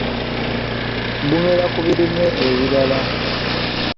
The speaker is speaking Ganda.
Gumera ku birime ebirala.